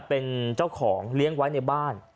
เป็นเจ้าของเลี้ยงไว้ในบ้าน